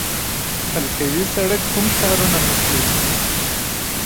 حلقوي سړک کوم ښارونه نښلوي؟